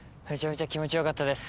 めちゃめちゃ気持ちよかったです。